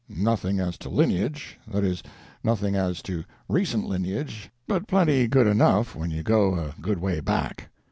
Nothing as to lineage—that is, nothing as to recent lineage—but plenty good enough when you go a good way back.